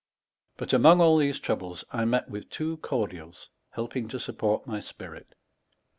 Bat among all these troubles, 1 mett with two cordials helping to (q) ipporte my spirit : 1.